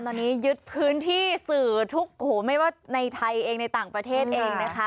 ตอนนี้ยึดพื้นที่สื่อทุกหูไม่ว่าในไทยเองในต่างประเทศเองนะคะ